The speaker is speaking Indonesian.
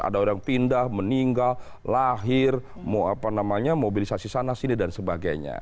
ada orang pindah meninggal lahir mobilisasi sana sini dan sebagainya